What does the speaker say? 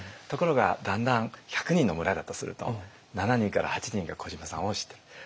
ところがだんだん１００人の村だとすると７人から８人が小島さんを知ってる。